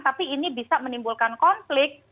tapi ini bisa menimbulkan konflik